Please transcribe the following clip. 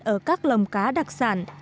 ở các lồng cá đặc sản